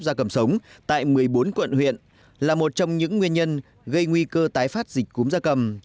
gia cầm sống tại một mươi bốn quận huyện là một trong những nguyên nhân gây nguy cơ tái phát dịch cúm da cầm